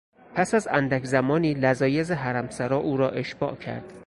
پس از اندک زمانی، لذایذ حرمسرا او را اشباع کرد.